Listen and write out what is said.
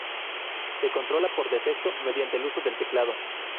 Se controla por defecto mediante el uso del teclado.